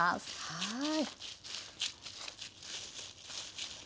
はい。